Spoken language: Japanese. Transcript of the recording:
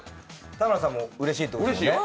田村さんもうれしいってことですよね。